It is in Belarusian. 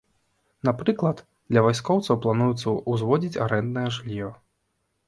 Напрыклад, для вайскоўцаў плануецца ўзводзіць арэнднае жыллё.